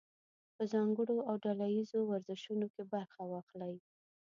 په ځانګړو او ډله ییزو ورزشونو کې برخه واخلئ.